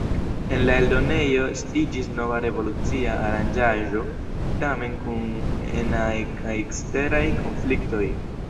En la eldonejo estiĝis nova revolucia aranĝaĵo, tamen kun enaj kaj eksteraj konfliktoj.